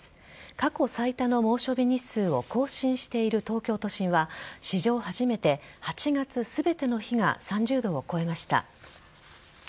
過去最多の猛暑日日数を更新している東京都心は史上初めて、８月全ての日が３０度を超えました。